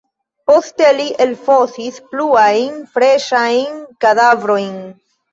Poste li elfosis pluajn freŝajn kadavrojn.